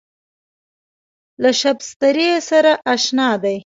له شبستري سره اشنا دی.